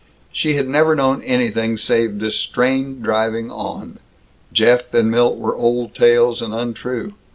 She had never known anything save this strained driving on. Jeff and Milt were old tales, and untrue.